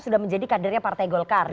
sudah menjadi kadernya partai golkar